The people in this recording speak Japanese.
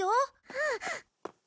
うん。